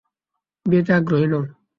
বিয়েতে আগ্রহী নও?